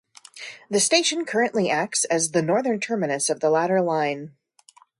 The station currently acts as the northern terminus of the latter line.